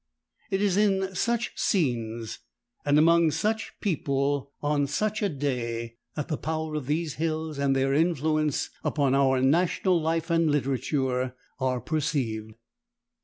It is in such scenes and among such people on such a day that the power of these hills and their influence upon our national life and literature are perceived.